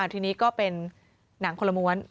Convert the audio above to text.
ทีนี้ก็เป็นหนังคนละม้วน